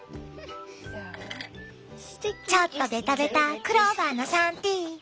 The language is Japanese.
ちょっとベタベタクローバーのサンティー。